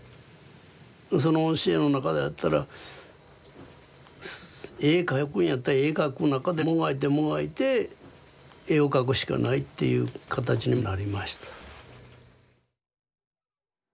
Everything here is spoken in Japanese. その教えの中だったら絵描くんやったら絵描く中でもがいてもがいて絵を描くしかないっていう形になりました。